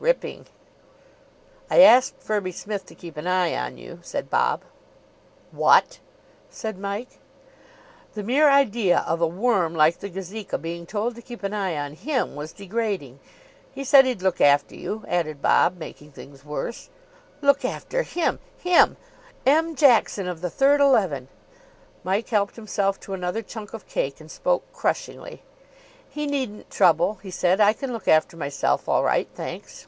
"Ripping." "I asked Firby Smith to keep an eye on you," said Bob. "What!" said Mike. The mere idea of a worm like the Gazeka being told to keep an eye on him was degrading. "He said he'd look after you," added Bob, making things worse. Look after him! Him!! M. Jackson, of the third eleven!!! Mike helped himself to another chunk of cake, and spoke crushingly. "He needn't trouble," he said. "I can look after myself all right, thanks."